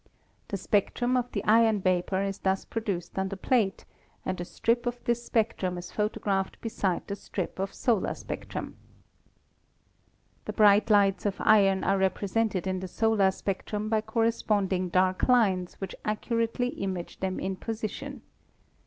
The spectrum of the iron vapor is thus produced on the plate, and a strip of this spectrum is photographed beside the strip of solar spectrum. "The bright lines of iron are represented in the solar spectrum by corresponding dark lines which accurately image them in position.